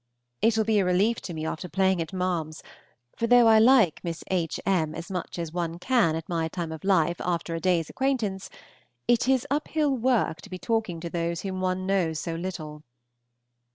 It will be a relief to me after playing at ma'ams, for though I like Miss H. M. as much as one can at my time of life after a day's acquaintance, it is uphill work to be talking to those whom one knows so little.